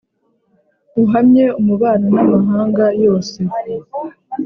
Uhamye umubano n'amahanga yose